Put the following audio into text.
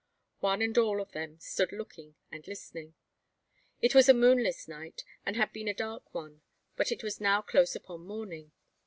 One and all of them stood looking and listening. It was a moonless night, and had been a dark one; but it was now close upon morning.